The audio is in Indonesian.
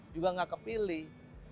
juga gak kepilih